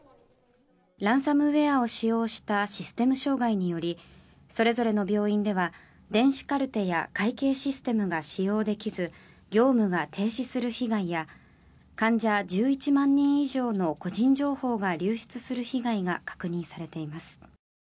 ランサムウェアを使用したシステム障害によりそれぞれの病院では電子カルテや会計システムが使用できず業務が停止する被害や患者１１万人以上の個人情報が流出する被害が確認されています。